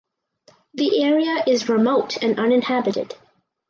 The area is remote and uninhabited.